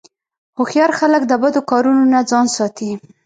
هوښیار خلک د بدو کارونو نه ځان ساتي.